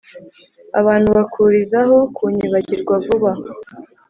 abantu bakurizaho kunyibagirwa vuba